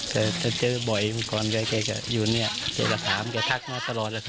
แต่จะเจอบ่อยก่อนแกจะอยู่เนี้ยเธอจะถามแกทักมาตลอดแล้วครับ